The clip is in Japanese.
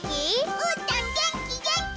うーたんげんきげんき！